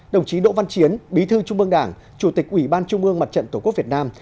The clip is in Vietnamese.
đồng chí đỗ văn chiến bí thư trung mương đảng chủ tịch ủy ban trung ương mặt trận tổ quốc việt nam